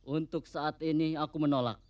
untuk saat ini aku menolak